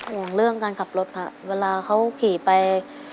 ห่วงเรื่องการขับรถค่ะเวลาเขาขี่ไป